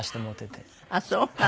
あっそうなの。